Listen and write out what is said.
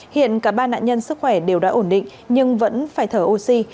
hiện cả ba nạn nhân sức khỏe đều đã ổn định nhưng vẫn phải thở oxy